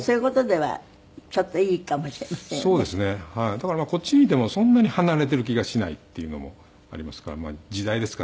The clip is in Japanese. だからまあこっちにいてもそんなに離れている気がしないっていうのもありますからまあ時代ですかね